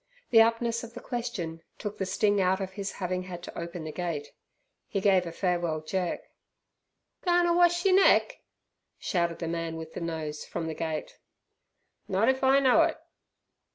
The aptness of the question took the sting out of his having had to open the gate. He gave a farewell jerk. "Goin' ter wash yer neck?" shouted the man with the nose, from the gate "Not if I know it."